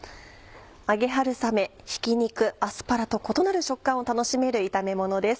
揚げ春雨ひき肉アスパラと異なる食感を楽しめる炒め物です。